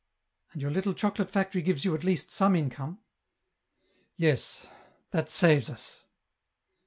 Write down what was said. " And your little chocolate factory gives you at least some income ?" EN ROUTE. 299 " Yes ; that saves us."